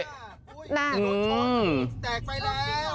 แตกไปแล้ว